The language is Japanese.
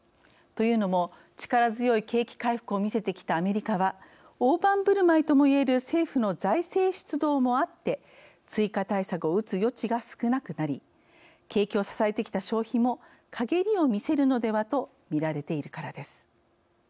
というのも、力強い景気回復をみせてきたアメリカは大盤振る舞いともいえる政府の財政出動もあって追加対策を打つ余地が少なくなり景気を支えてきた消費もかげりを見せるのではとみられているからです。